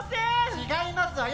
違いますわよ。